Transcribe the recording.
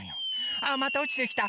あっまたおちてきた。